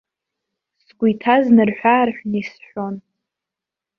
Сгәы иҭаз нарҳәы-аарҳәны исҳәон.